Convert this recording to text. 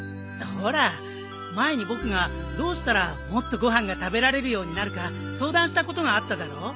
ほら前に僕がどうしたらもっとご飯が食べられるようになるか相談したことがあっただろ？